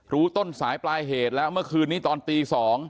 ต้นสายปลายเหตุแล้วเมื่อคืนนี้ตอนตี๒